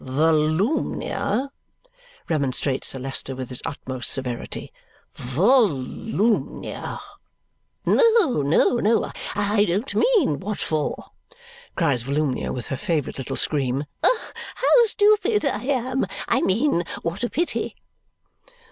"Volumnia," remonstrates Sir Leicester with his utmost severity. "Volumnia!" "No, no, I don't mean what for," cries Volumnia with her favourite little scream. "How stupid I am! I mean what a pity!"